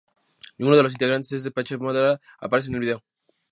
Ninguno de los integrantes de Depeche Mode aparece en el vídeo.